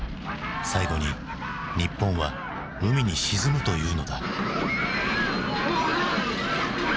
最後に日本は海に沈むというのだ。